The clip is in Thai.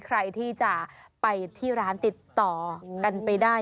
ใครที่จะไปที่ร้านติดต่อกันไปได้